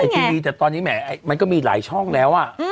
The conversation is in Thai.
ทีวีแต่ตอนนี้แหมมันก็มีหลายช่องแล้ว